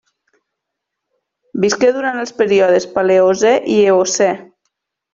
Visqué durant els períodes Paleocè i Eocè.